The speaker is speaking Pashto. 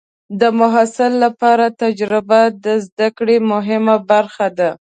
د محصل لپاره تجربه د زده کړې مهمه برخه ده.